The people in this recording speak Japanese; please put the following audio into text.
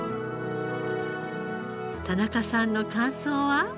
田中さんの感想は？